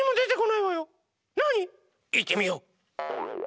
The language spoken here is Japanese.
いってみよう！